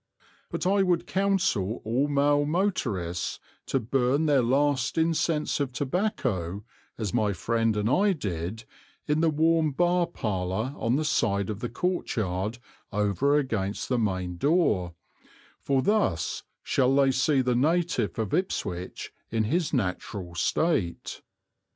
But I would counsel all male motorists to burn their last incense of tobacco, as my friend and I did, in the warm bar parlour on the side of the courtyard over against the main door, for thus shall they see the native of Ipswich in his natural state.